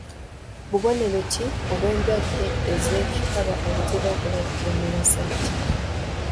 Bubonero ki obw’endwadde z’ekikaba obutera okulabikira mu basajja?